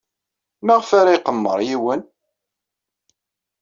Maɣef ara iqemmer yiwen?